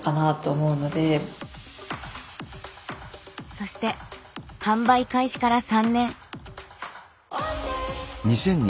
そして販売開始から３年。